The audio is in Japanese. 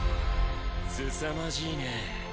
すさまじいね。